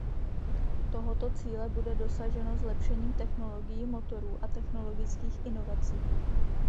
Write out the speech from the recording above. Tohoto cíle bude dosaženo zlepšením technologií motorů a technologických inovací.